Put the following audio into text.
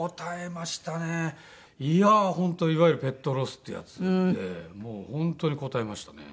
いやあ本当いわゆるペットロスってやつでもう本当にこたえましたね。